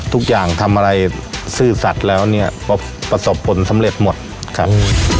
ทุกอย่างทำอะไรซื่อสัตว์แล้วเนี่ยก็ประสบผลสำเร็จหมดครับ